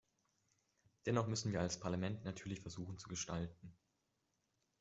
Dennoch müssen wir als Parlament natürlich versuchen zu gestalten.